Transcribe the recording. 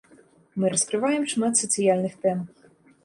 Мы раскрываем шмат сацыяльных тэм.